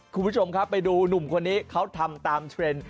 คุณผู้ชมครับไปดูหนุ่มคนนี้เขาทำตามเทรนด์